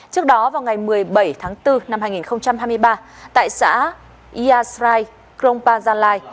trước đó vào ngày một mươi bảy bốn hai nghìn hai mươi ba tại xã yashrai krongpa gia lai